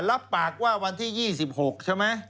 รับปากว่าวันที่๒๖ใช่ไหม